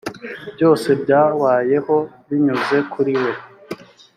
byose byabayeho binyuze kuri we